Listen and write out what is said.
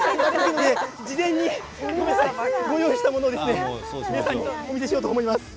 事前にご用意したものを皆さんにお見せしようと思います。